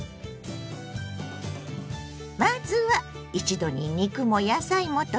まずは一度に肉も野菜もとれる！